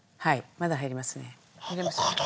まだ入りますね。